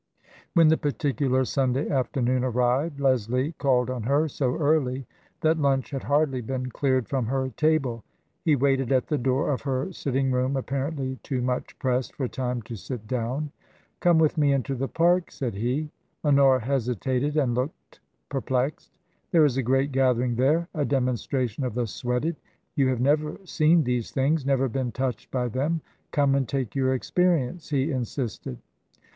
When the particular Sunday afternoon arrived, Leslie called on her so early that lunch had hardly been cleared from her table. He waited at the door of her sitting room apparently too much pressed for time to sit down. " Come with me into the Park," said he. Honora hesitated and looked perplexed. " There is a great gathering there, a demonstration of the Sweated. You have never seen these things — never been touched by them. Come and take your experi ence," he insisted.